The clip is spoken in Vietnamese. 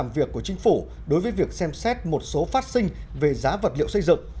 việc của chính phủ đối với việc xem xét một số phát sinh về giá vật liệu xây dựng